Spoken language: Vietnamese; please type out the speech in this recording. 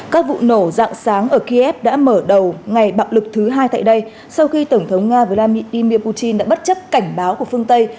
các vụ nổ dạng sáng ở kiev đã mở đầu ngày bạo lực thứ hai tại đây sau khi tổng thống nga vladimir putin đã bất chấp cảnh báo của phương tây